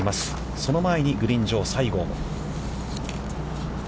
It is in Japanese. その前に、グリーン上、西郷。